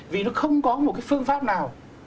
vì nó không có một phương pháp nào